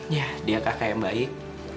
ya dia kakak yang baik